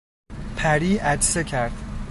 پری عطسه کرد.